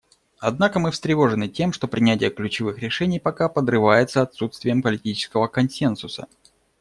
Однако мы встревожены тем, что принятие ключевых решений пока подрывается отсутствием политического консенсуса.